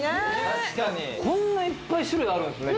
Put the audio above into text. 確かにこんないっぱい種類あるんですね